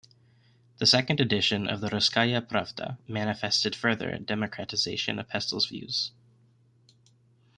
The second edition of the Russkaya Pravda manifested further democratization of Pestel's views.